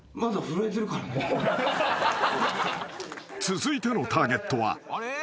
［続いてのターゲットは］